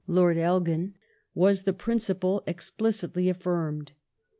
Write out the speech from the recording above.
Lord Elgin, was the principle explicitly affirmed.